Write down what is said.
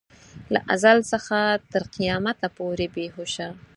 له ازل څخه تر قیامته پورې بې هوشه.